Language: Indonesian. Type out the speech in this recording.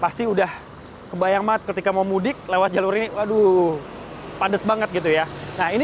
pasti udah kebayang banget ketika mau mudik lewat jalur ini waduh padat banget gitu ya nah ini